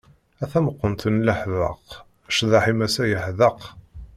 A tameqqunt n leḥbaq, ccḍeḥ-im ass-a yeḥdeq.